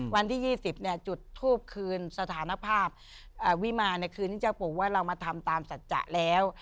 วันที่๒๐จุดทูบคืนสถานะภาพวิมาคืนนี้จะบอกว่าเรามาทำตามสัจจะแล้ว